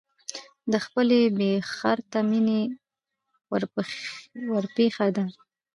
د خپلې بې خرته مینې ورپېښه ده.